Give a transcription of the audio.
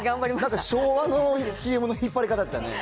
なんか昭和のＣＭの引っ張り方だったよね。